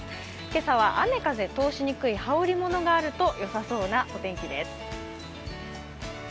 今朝は雨風通しにくい羽織り物があると、よさそうなお天気です。